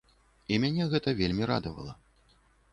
І мяне гэта вельмі радавала.